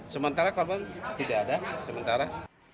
sementara korban tidak ada